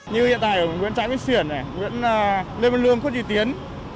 như hiện tại nguyễn trãi bích xuyển nguyễn lê mân lương phước trị tiến